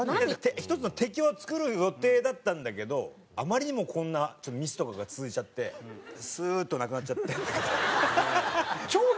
１つの敵を作る予定だったんだけどあまりにもこんなミスとかが続いちゃってスーッとなくなっちゃったんだけど。